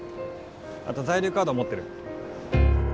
あと在留カード持ってる？